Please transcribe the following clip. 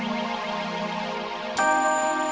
ini adalah kehidupan yang terbaik